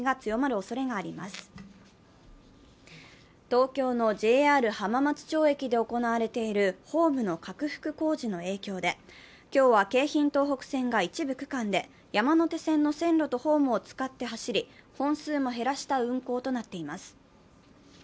東京のＪＲ浜松町駅で行われているホームの拡幅工事の影響で、今日は京浜東北線が一部区間で山手線の線路とホームを使って走り、本数も減らした運行となっています。